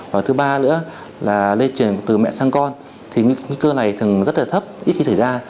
và thứ ba nữa là lây truyền từ mẹ sang con thì nguy cơ này thường rất là thấp ít khi xảy ra